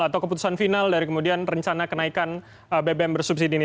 atau keputusan final dari kemudian rencana kenaikan bbm bersubsidi ini